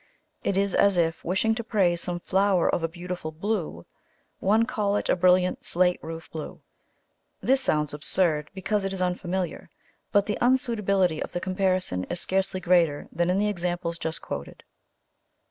It is as if, wishing to praise some flower of a beautiful blue, one called it a brilliant slate roof blue. This sounds absurd, because it is unfamiliar, but the unsuitability of the comparison is scarcely greater than in the examples just quoted.